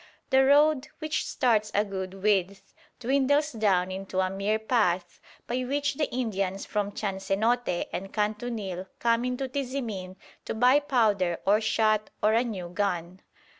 The road, which starts a good width, dwindles down into a mere path by which the Indians from Chansenote and Kantunil come into Tizimin to buy powder or shot or a new gun.